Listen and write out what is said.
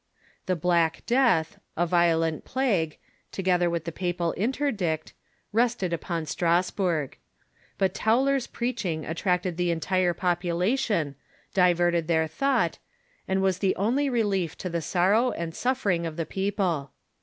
The Black Death, a violent plague, together Avith the papal intei dict, rested upon Strasburg. But Tauler's preach ing attracted the entire population, diverted their thought, and THE HERALDS OF PROTESTANTISM 203 was the only relief to tbe sorrow and snffering of the people.